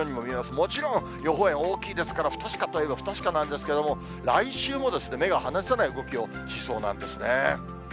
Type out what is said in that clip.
もちろん、予報円、大きいですから、不確かといえば不確かなんですけれども、来週も目が離せない動きをしそうなんですね。